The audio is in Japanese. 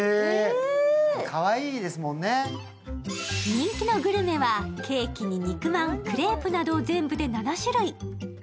人気のグルメはケーキに肉まん、クレープなど全部で７種類。